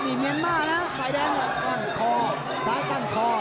มีเมียนมาร่าฝ่ายแดนซ้ายกล้านคอ